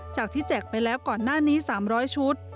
จากที่แจกไปแล้วก่อนหน้านี้๓๐๐ชุด